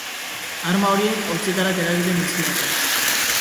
Arma horiek hotzikarak eragiten dizkidate.